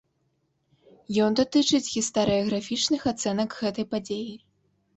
Ён датычыць гістарыяграфічных ацэнак гэтай падзеі.